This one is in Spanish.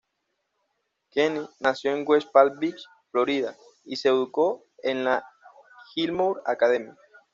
Kenney nació en West Palm Beach, Florida, y se educó en la Gilmour Academy.